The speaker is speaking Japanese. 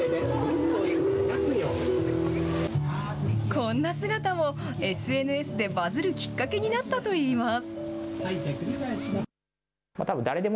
こんな姿もＳＮＳでバズるきっかけになったといいます。